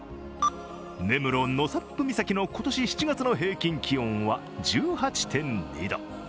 根室・納沙布岬の今年７月の平均気温は１８．２度。